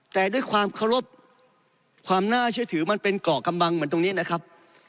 แต่ด้วยความเคารพความน่าเชื่อถือมันเป็นเกาะกำบังเหมือนตรงนี้นะครับ